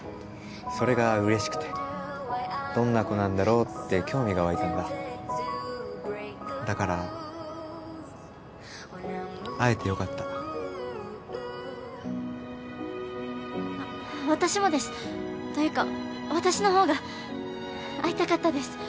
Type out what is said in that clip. それがうれしくてどんな子なんだろうって興味が湧いたんだだから会えてよかったわ私もです！というか私のほうが会いたかったです